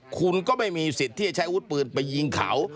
คุณก็ไม่มีสิทธิ์ที่จะใช้อาวุธปืนไปยิงเขา